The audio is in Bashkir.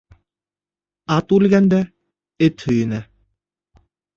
Ат үлгәндә эт һөйөнә.